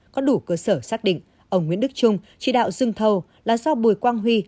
có đủ cơ sở xác định ông nguyễn đức trung chỉ đạo dừng thầu là do bùi quang huy